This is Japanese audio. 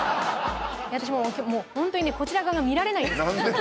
私もうホントにねこちら側が見られないんです何で？